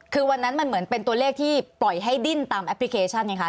คือวันนั้นมันเหมือนเป็นตัวเลขที่ปล่อยให้ดิ้นตามแอปพลิเคชันไงคะ